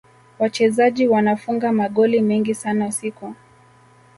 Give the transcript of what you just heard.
wachezaji wanafunga magoli mengi sana siku